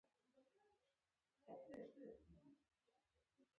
هغوی زبېښونکي سیاسي بنسټونه په خپل حال پرېښودل.